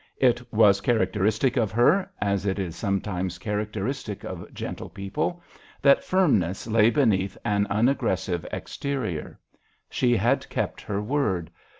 It was characteristic of her, as it is sometimes characteristic of gentle people, that firmness lay beneath an unaggressive exterior. She had kept her word.